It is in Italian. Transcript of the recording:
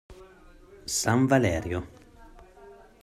San Valerio